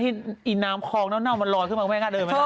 อีน้ำคลองน้ำมันลอยขึ้นไม่ง่าเดินมา